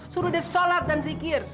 suruh dia sholat dan zikir